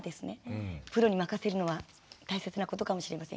プロに任せるのは大切なことかもしれません。